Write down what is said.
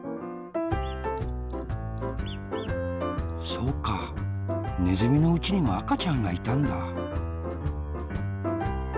そうかねずみのおうちにもあかちゃんがいたんだ。